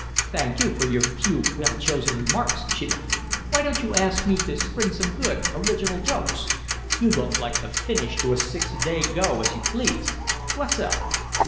"Thank you for your few well chosen remarks," she laughed. "Why don't you ask me to spring some good, original jokes? You look like the finish to a six day go as you please. What's up?"